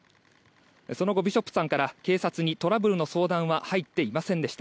その後、ビショップさんから警察にトラブルの相談は入っていませんでした。